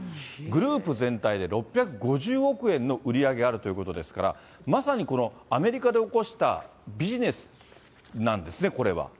グループ全体で６５０億円の売り上げがあるということですから、まさにこのアメリカでおこしたビジネスなんですね、これは。